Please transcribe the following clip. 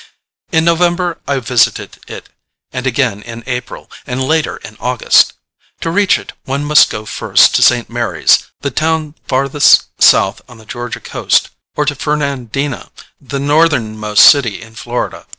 In November I visited it, and again in April, and later in August. To reach it one must go first to St. Mary's, the town farthest south on the Georgia coast, or to Fernandina, the northernmost city in Florida.